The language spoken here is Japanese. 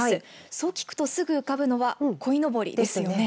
そう聞くとすぐに浮かぶのはこいのぼりですよね。